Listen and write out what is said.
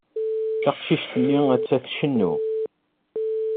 Taqcict-nni atta tcennu.